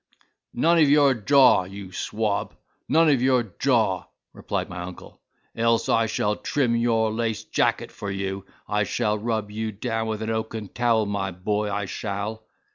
"None of your jaw, you swab—none of your jaw," replied my uncle, "else I shall trim your laced jacket for you. I shall rub you down with an oaken towel, my boy, I shall."